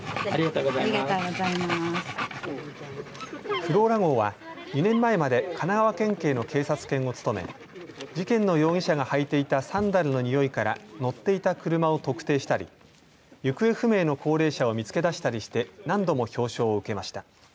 フローラ号は２年前まで神奈川県警の警察犬を務め事件の容疑者が履いていたサンダルのにおいから乗っていた車を特定したり行方不明の高齢者を見つけ出したりして何度も表彰を受けました。